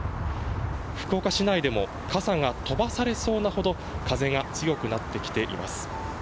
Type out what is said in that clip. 福岡市内でも傘が飛ばされそうなほど風が強くなってきています。